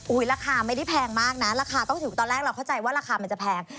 ราคาไม่ได้แพงมากนะราคาต้องถือว่าตอนแรกเราเข้าใจว่าราคามันจะแพง